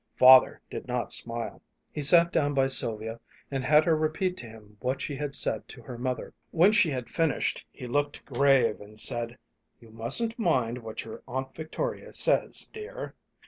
Father did not smile. He sat down by Sylvia and had her repeat to him what she had said to her mother. When she had finished he looked grave and said: "You mustn't mind what your Aunt Victoria says, dear.